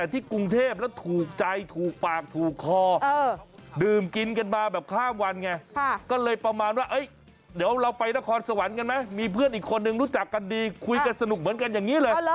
ที่กรุงเทพแล้วถูกใจถูกปากถูกคอดื่มกินกันมาแบบข้ามวันไงก็เลยประมาณว่าเดี๋ยวเราไปนครสวรรค์กันไหมมีเพื่อนอีกคนนึงรู้จักกันดีคุยกันสนุกเหมือนกันอย่างนี้เลย